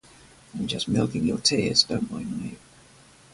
I'm just milking your tears, don't mind me.